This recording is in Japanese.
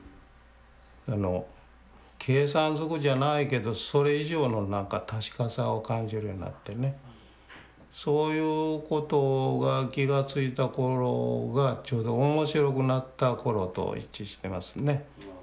計算ずくじゃないけどそれ以上の何か確かさを感じるようになってねそういうことが気が付いた頃がちょうど面白くなった頃と一致してますね。